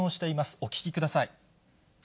お聞きください。